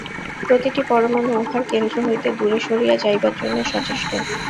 প্রতিটি পরমাণু উহার কেন্দ্র হইতে দূরে সরিয়া যাইবার জন্য সচেষ্ট।